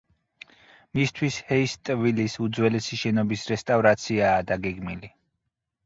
მისთვის ჰეიტსვილის უძველესი შენობის რესტავრაციაა დაგეგმილი.